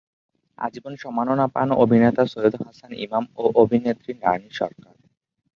আজীবন সম্মাননা পান অভিনেতা সৈয়দ হাসান ইমাম ও অভিনেত্রী রানী সরকার।